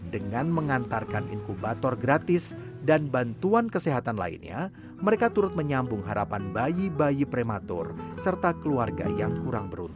dengan mengantarkan inkubator gratis dan bantuan kesehatan lainnya mereka turut menyambung harapan bayi bayi prematur serta keluarga yang kurang beruntung